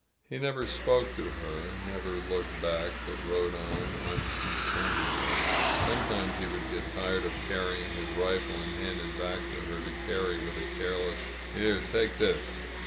He never spoke to her, never Ipoked back, but rode on unconcernedly. Sometimes > he would get tired of carrying his rifle and hand it back to her to carry, with a careless "Here! Take this!''